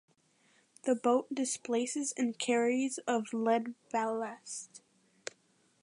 The boat displaces and carries of lead ballast.